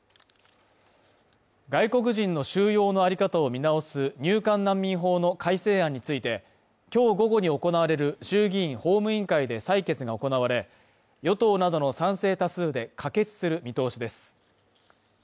外国人の収容のあり方を見直す入管難民法の改正案について、今日午後に行われる衆議院法務委員会で採決が行われ、与党などの賛成多数で可決する見通しです。